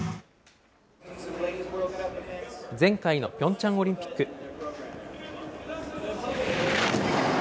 前回のピョンチャンオリンピック。